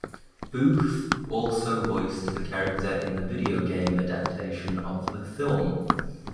Booth also voiced the character in the video game adaptation of the film.